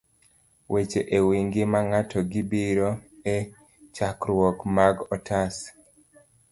Weche e Wi Ngima Ng'ato gibiro e chakruok mar otas